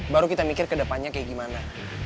baru kita mikir kedepannya kayak gimana